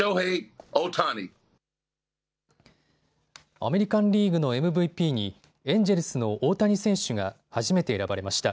アメリカンリーグのＭＶＰにエンジェルスの大谷選手が初めて選ばれました。